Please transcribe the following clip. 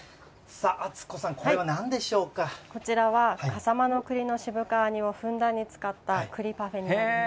篤子さん、こちらは笠間の栗の渋皮煮をふんだんに使った栗パフェになります。